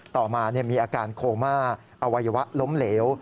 ต่อมามีอาการโคม่าอวัยวะล้มเหลว